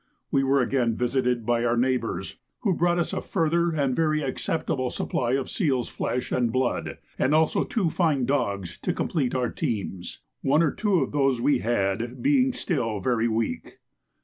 We were again visited by our neighbours, who brought us a further and very acceptable supply of seals' flesh and blood, and also two fine dogs to complete our teams, one or two of those we had being still very weak.